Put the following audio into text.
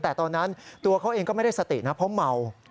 แต่ตอนนั้นตัวเขาเองก็ไม่ได้สตินะเพราะเมา